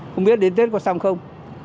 không biết đến tết có xong không